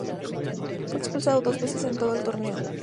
Fue expulsado dos veces en todo el torneo.